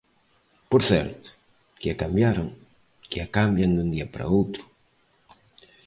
Por certo, que a cambiaron, que a cambian dun día para outro.